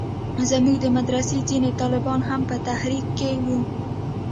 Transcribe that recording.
زموږ د مدرسې ځينې طالبان هم په تحريک کښې وو.